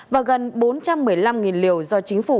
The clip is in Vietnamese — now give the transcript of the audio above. và gần bốn trăm một mươi năm liều do chính phủ